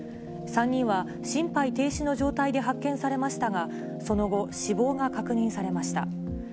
３人は心肺停止の状態で発見されましたが、その後、死亡が確認されました。